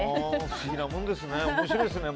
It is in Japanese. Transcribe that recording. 不思議なもんですね。